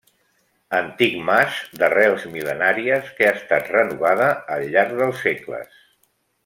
Antic mas d'arrels mil·lenàries que ha estat renovada al llarg dels segles.